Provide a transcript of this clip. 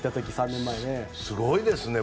すごいですね。